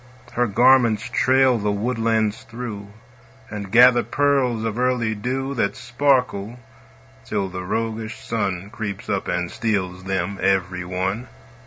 Her garments trail the woodlands through, And gather pearls of early dew That sparkle, till the roguish Sun Creeps up and steals them every one.